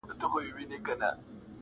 اخیري وخت د څـــوک غم خوار نشته دې